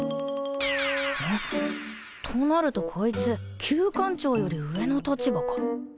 はっとなるとこいつ宮官長より上の立場か